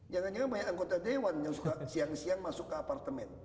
jangan jangan banyak anggota dewan yang suka siang siang masuk ke apartemen